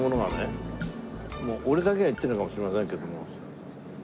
俺だけが言ってるのかもしれませんけども。